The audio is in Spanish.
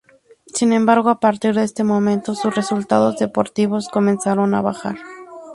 Sin embargo, a partir de ese momento sus resultados deportivos comenzaron a bajar.